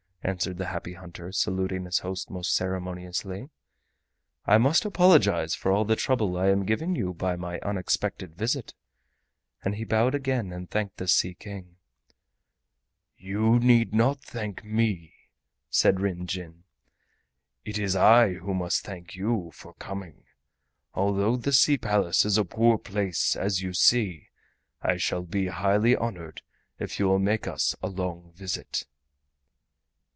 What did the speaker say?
answered the Happy Hunter, saluting his host most ceremoniously. "I must apologize for all the trouble I am giving you by my unexpected visit." And he bowed again, and thanked the Sea King. "You need not thank me," said Ryn Jin. "It is I who must thank you for coming. Although the Sea Palace is a poor place, as you see, I shall be highly honored if you will make us a long visit."